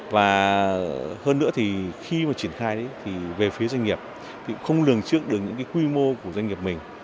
và hơn nữa thì khi mà triển khai đấy thì về phía doanh nghiệp thì không lường trước được những cái quy mô của doanh nghiệp mình